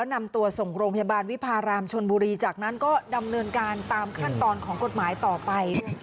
นำตัวส่งโรงพยาบาลวิพารามชนบุรีจากนั้นก็ดำเนินการตามขั้นตอนของกฎหมายต่อไป